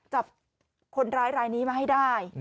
จับคนร้ายรายนี้มาให้ได้